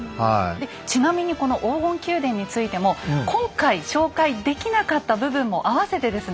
ちなみにこの黄金宮殿についても今回紹介できなかった部分も合わせてですね